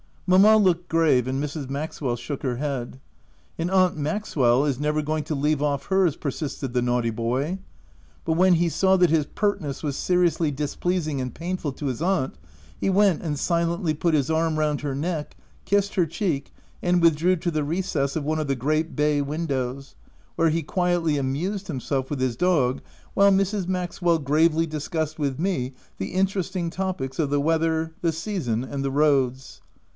Mamma looked grave and Mrs. Maxwell shook her head. lt And aunt Maxwell is never going to leave off hers/' persisted the naughty boy ; but when he saw that his pertness was seriously displeasing and painful to his aunt, he went and silently put his arm round her neck, kissed her cheek, and withdrew to the recess of one of the great bay windows, where he quietly amused himself with his dog while Mrs. Maxwell gravely discussed with me the interesting topics of the weather, the season, and the roads.